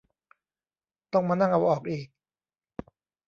ต้องมานั่งเอาออกอีก